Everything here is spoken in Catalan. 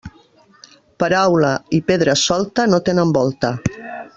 Paraula i pedra solta, no tenen volta.